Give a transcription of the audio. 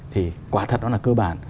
thì quả thật nó là cơ bản